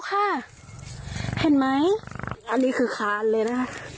เห็นไหมอันนี้คือคานเลยนะคะ